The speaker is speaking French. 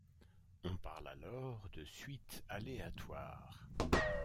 On parle alors de suite aléatoire.